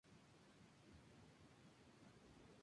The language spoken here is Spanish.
El municipio es cabecera de ambos distritos.